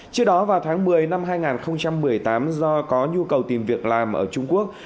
trước đó vào tháng một mươi năm hai nghìn một mươi tám do có nhu cầu tìm việc làm ở trung quốc